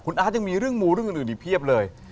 อาร์ตยังมีเรื่องมูเรื่องอื่นอีกเพียบเลย